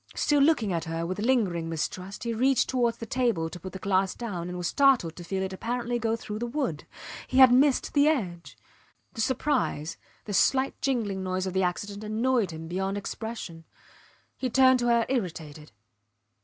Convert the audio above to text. Still looking at her with lingering mistrust he reached towards the table to put the glass down and was startled to feel it apparently go through the wood. He had missed the edge. The surprise, the slight jingling noise of the accident annoyed him beyond expression. He turned to her irritated.